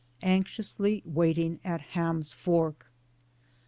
ANXIOUSLY WAITING AT HAm's FORK.